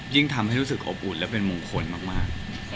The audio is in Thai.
ยิ่งทำให้รู้สึกอบอุ่นและเป็นมงคลมาก